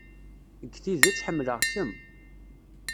Deg tidet, ḥemmleɣ-kem.